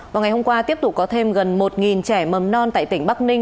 vào ngày hôm qua tiếp tục có thêm gần một trẻ mầm non tại tỉnh bắc ninh